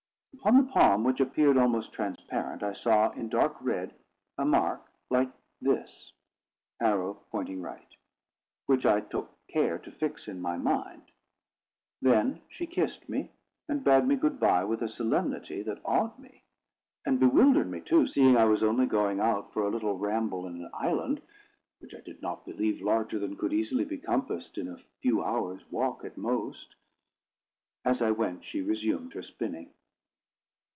Upon the palm, which appeared almost transparent, I saw, in dark red, a mark like this —> which I took care to fix in my mind. She then kissed me, and bade me good bye with a solemnity that awed me; and bewildered me too, seeing I was only going out for a little ramble in an island, which I did not believe larger than could easily be compassed in a few hours' walk at most. As I went she resumed her spinning.